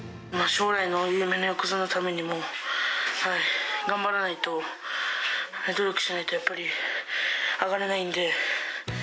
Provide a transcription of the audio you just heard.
将来の夢の横綱のためにも頑張らないと、努力しないとやっぱり、上がれないんで。